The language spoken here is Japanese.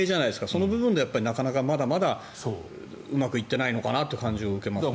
その部分でなかなかまだまだうまくいっていないのかなという感じを受けますね。